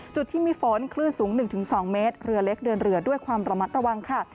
จุดที่มีฝนคลื่นสูง๑๒เมตรเรือเล็กเดินเรือด้วยความระมัดระวังค่ะ